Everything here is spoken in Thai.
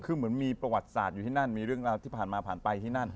คือเหมือนมีประวัติศาสตร์อยู่ที่นั่นมีเรื่องราวที่ผ่านมาผ่านไปที่นั่น